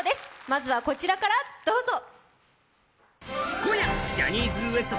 まずはこちらからどうぞ！